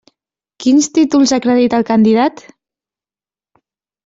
Quins títols acredita el candidat?